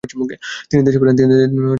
তিনি দেশে ফেরেন ।